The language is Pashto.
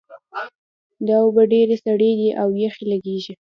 دا اوبه ډېرې سړې دي او یخې لګیږي